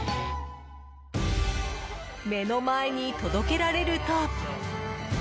目の前に届けられると。